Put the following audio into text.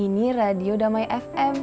ini radio damai fm